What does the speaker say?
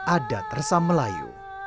adat tersam melayu